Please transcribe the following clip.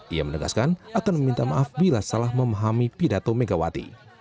ia menegaskan akan meminta maaf bila salah memahami pidato megawati